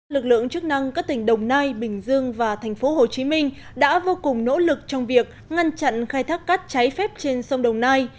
lực lượng chức năng các tỉnh đồng nai bình dương và thành phố hồ chí minh đã vô cùng nỗ lực trong việc ngăn chặn khai thác cát cháy phép trên sông đồng nai